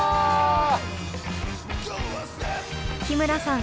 日村さん